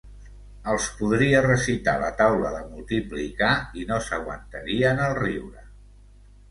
Els podria recitar la taula de multiplicar i no s'aguantarien el riure.